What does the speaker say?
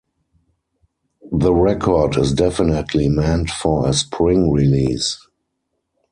The record is definitely meant for a spring release.